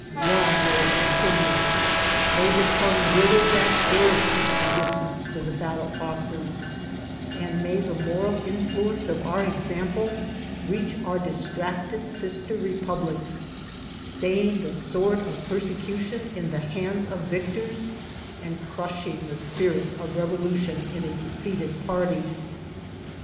Long may it continue ! May the tongue wither that dares preach resistance to the ballot boxes; and may the moral influence of our example reach our distracted sister republics, staying the sw(»rd of persecution in the hands of victors, and crushing the spirit of revolution in a defeated party.